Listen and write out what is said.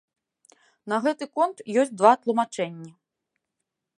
На гэты конт ёсць два тлумачэнні.